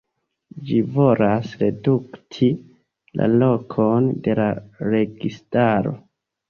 Ĝi volas redukti la lokon de la registaro.